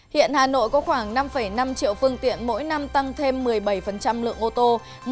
hiện hà nội có khoảng năm năm triệu phương tiện mỗi năm tăng thêm một mươi bảy lượng ô tô